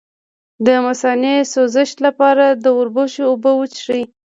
د مثانې د سوزش لپاره د وربشو اوبه وڅښئ